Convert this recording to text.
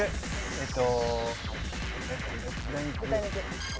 えっと。